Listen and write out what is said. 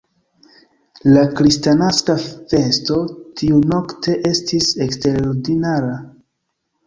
La Kristnaska festo tiunokte estis eksterordinara.